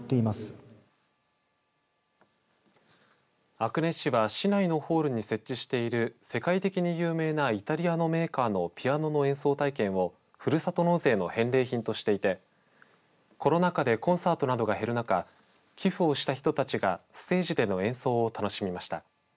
阿久根市は、市内のホールに設置している世界的に有名なイタリアのメーカーのピアノの演奏体験をふるさと納税の返礼品としていてコロナ禍でコンサートが減る中寄付をした人たちがステージでの演奏を楽しみました。